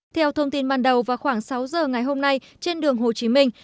theo thông tin ban đầu vào khoảng sáu giờ ngày hôm nay trên đường hồ chí minh